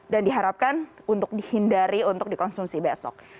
dan diharapkan untuk dihindari untuk dikonsumsi besok